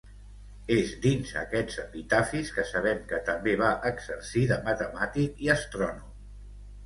És dins aquests epitafis que sabem que també va exercir de matemàtic i astrònom.